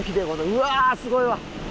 うわあすごいわ！